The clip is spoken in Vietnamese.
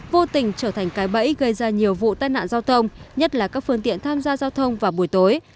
vô tình trở thành cái bẫy gây ra nhiều vụ tai nạn giao thông nhất là các phương tiện tham gia giao thông vào buổi tối